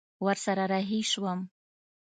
ورسره رهي سوم.